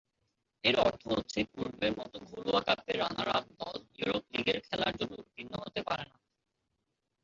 এর অর্থ হচ্ছে পূর্বের মতো ঘরোয়া কাপের রানার-আপ দল ইউরোপা লীগে খেলার জন্য উত্তীর্ণ হতে পারে না।